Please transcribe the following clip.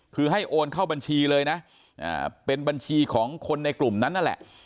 คือให้โอนเข้าบัญชีเลยนะเป็นบัญชีของคนในกลุ่มนั้นนั่นแหละ